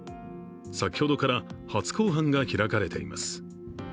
先ほどから初公判が開かれています。